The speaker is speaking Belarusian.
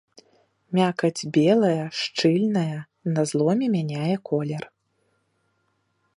Мякаць белая, шчыльная, на зломе мяняе колер.